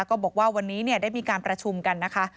ก็บอกว่าวันนี้ได้มีการประชุมกันนะคะ